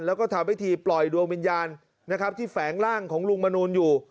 แล้วก็ทำพิธีปล่อยดวงวิญญาณนะครับที่แฝงร่างของลุงมนูลอยู่